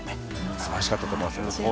素晴らしかったと思います。